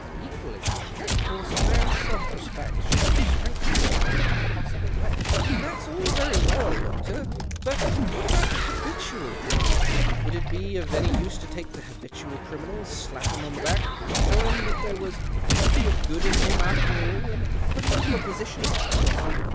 Equally, of course, the man's self respect should be strengthened in every possible way." "That's all very well, doctor, but what about the habitual criminal ? Would it be of any use to take the habitual criminal, slap him on the back, tell him that there was THE OCTAVE OF CLAUDIUS. 120 plenty of good in him after all, and put him into a position of trust